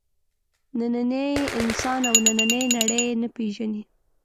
نننی انسان او نننۍ نړۍ نه پېژني.